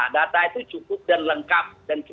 data itu cukup dan lengkap